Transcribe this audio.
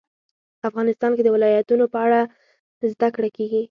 افغانستان کې د ولایتونو په اړه زده کړه کېږي.